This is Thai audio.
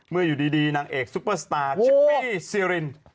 อยู่ดีนางเอกซุปเปอร์สตาร์ชิปปี้ซีริน